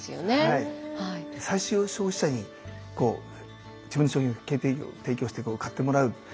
最終消費者に自分の商品を提供して買ってもらう。